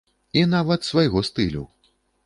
І нават свайго стылю.